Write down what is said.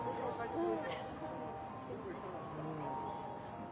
うん。